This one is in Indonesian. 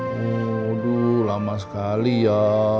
waduh lama sekali ya